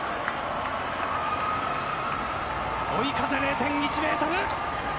追い風０．１メートル。